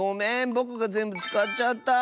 ぼくがぜんぶつかっちゃった！